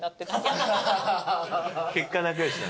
結果仲良し。